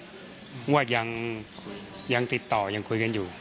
เพราะว่ายังติดต่อยังคุยกันอยู่